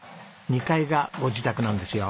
２階がご自宅なんですよ。